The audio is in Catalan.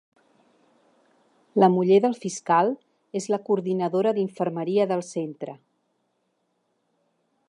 La muller del fiscal és la coordinadora d’infermeria del centre.